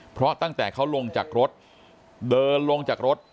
เพราะตั้งแต่เขาลงจากรถเดินลงจากรถ